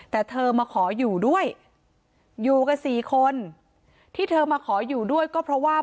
แต่เธอมาขออยู่ด้วยอยู่กันสี่คนที่เธอมาขออยู่ด้วยก็เพราะว่า